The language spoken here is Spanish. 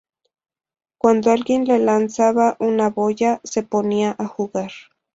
Cuando alguien le lanzaba una boya, se ponía a jugar.